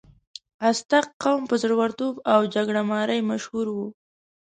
ازتک قوم په زړورتوب او جګړې مارۍ مشهور و.